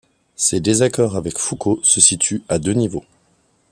Ses désaccords avec Foucault se situent à deux niveaux.